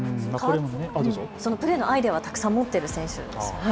プレーのアイデア、たくさん持っている選手ですか。